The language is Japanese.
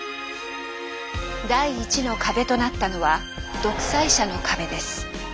第１の壁となったのは「独裁者の壁」です。